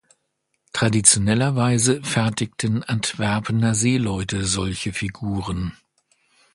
Traditionellerweise fertigten Antwerpener Seeleute solche Figuren.